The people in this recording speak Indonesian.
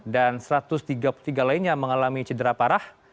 dan satu ratus tiga puluh tiga lainnya mengalami cedera parah